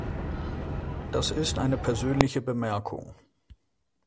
Das ist eine persönliche Bemerkung.